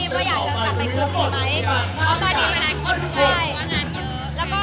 พ่อผู้ชำ